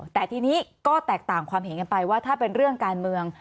แต่ทีนี้ก็แตกต่างความเห็นกันไปว่าถ้าเป็นเรื่องการเมือง